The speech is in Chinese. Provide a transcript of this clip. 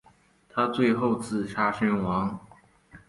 他最后自杀身亡。